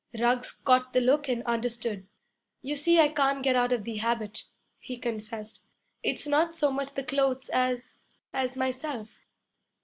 Ruggs caught the look and understood. 'You see I can't get out of the habit,' he confessed. 'It's not so much the clothes as as myself.'